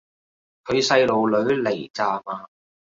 佢細路女嚟咋嘛